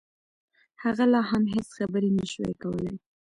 هغه لا هم هېڅ خبرې نشوای کولای